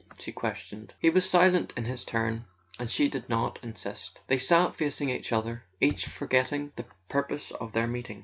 she questioned. He was silent in his turn, and she did not insist. They sat facing each other, each forgetting the pur [ 220 ] A SON AT THE FRONT pose of their meeting.